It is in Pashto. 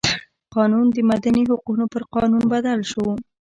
قانون د مدني حقونو پر قانون بدل شو.